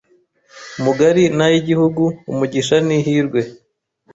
mugari n’ay’igihugu Umugisha n’ihirwe